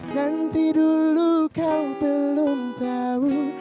nanti dulu kau belum tahu